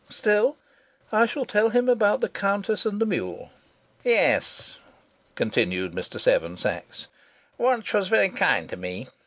Still, I shall tell him about the Countess and the mule " "Yes," continued Mr. Seven Sachs, "Wunch was very kind to me.